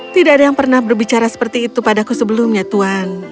tidak ada yang pernah berbicara seperti itu padaku sebelumnya tuhan